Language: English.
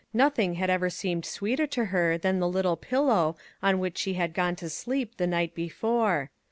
Nothing had ever seemed sweeter to her than the " Little Pillow " on which she had gone to sleep the night before.